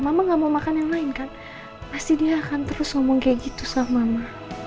mama gak mau makan yang lain kan pasti dia akan terus ngomong kayak gitu sama mama